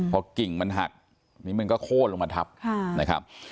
พอกิ่งมันหักนี่มันก็โค้นลงมาทับนะครับ